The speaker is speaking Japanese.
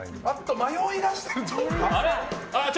迷いだしてるぞ。